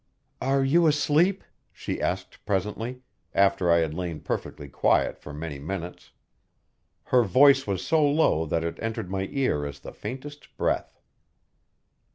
"Are you asleep?" she asked presently, after I had lain perfectly quiet for many minutes. Her voice was so low that it entered my ear as the faintest breath.